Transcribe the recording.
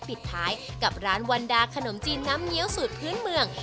ปิดท้ายกับร้านวันดาขนมจีนน้ำเงี้ยวสูตรพื้นเมือง